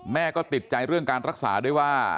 แม่ก็ติดใจเรื่องการรักษาด้วยว่า